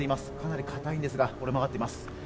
かなり硬いんですが、折れ曲がっています。